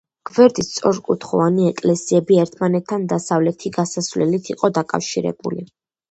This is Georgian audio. გვერდით სწორკუთხოვანი ეკლესიები ერთმანეთთან დასავლეთი გასასვლელით იყო დაკავშირებული.